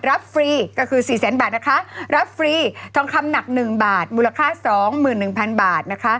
รับฟรีก็คือ๔แสนบาทรับฟรีทองคำหนัก๑บาทมูลค่า๒๑๐๐๐บาท